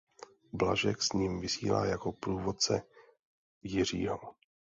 Blažek s ním vysílá jako průvodce Jiřího.